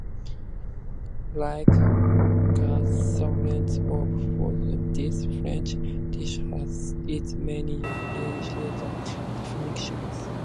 Like cassoulet or fondue, this French dish has its many regional definitions.